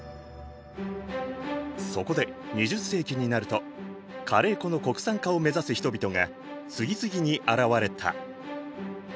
そこで２０世紀になるとカレー粉の国産化を目指す人々が次々に現れた。